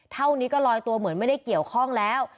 เท่านี้ก็ลอยตัวเหมือนไม่ได้เกี่ยวข้องแล้ว